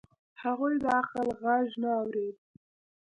هغوی د عقل غږ نه اورېد.